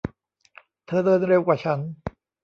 เธอเดินเร็วกว่าฉัน